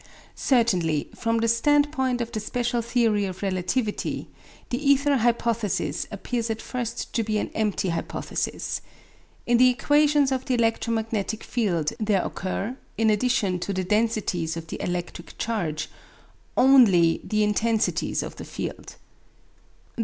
Certainly, from the standpoint of the special theory of relativity, the ether hypothesis appears at first to be an empty hypothesis. In the equations of the electromagnetic field there occur, in addition to the densities of the electric charge, only the intensities of the field.